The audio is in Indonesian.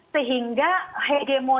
sehingga hewan hewan kita bisa berkembang